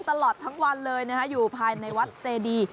ตลอดทั้งวันเลยอยู่ภายในวัดเจดี